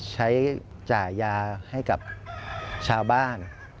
ใช้จ่ายยาให้กับชาวบ้าน